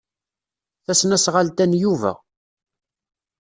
Tasnasɣalt-a n Yuba.